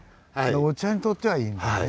お茶にとってはいいんだね。